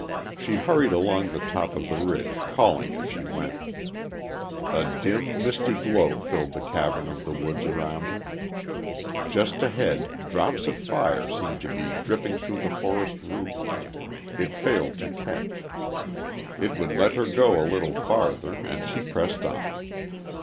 She hurried along the top of the ridge, calling as she went. A dim, misty glow filled the cavern of the woods around her. Just ahead drops of fire seemed to be dripping through the forest roof. It failed to catch. It would let her go a little farther, and she pressed on.